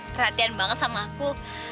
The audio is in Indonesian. perhatian banget sama aku